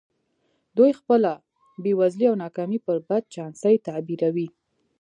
دوی خپله بېوزلي او ناکامي پر بد چانسۍ تعبیروي